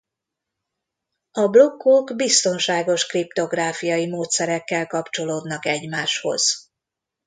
A blokkok biztonságos kriptográfiai módszerekkel kapcsolódnak egymáshoz.